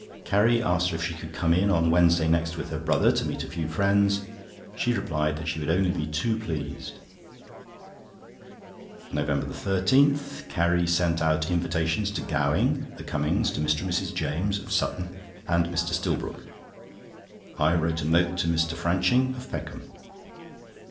Carrie asked her if she could come in on Wednesday next with her brother to meet a few friends. She replied that she would only be too pleased. NOVEMBER 13.—Carrie sent out invitations to Gowing, the Cummings, to Mr. and Mrs. James (of Sutton), and Mr. Stillbrook. I wrote a note to Mr. Franching, of Peckham.